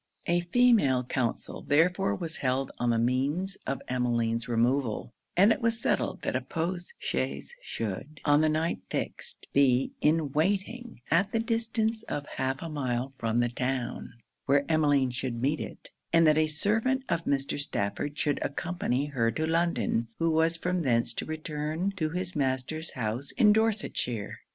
A female council therefore was held on the means of Emmeline's removal; and it was settled that a post chaise should, on the night fixed, be in waiting at the distance of half a mile from the town; where Emmeline should meet it; and that a servant of Mr. Stafford should accompany her to London, who was from thence to return to his master's house in Dorsetshire.